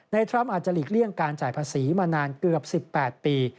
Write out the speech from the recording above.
ทรัมป์อาจจะหลีกเลี่ยงการจ่ายภาษีมานานเกือบ๑๘ปี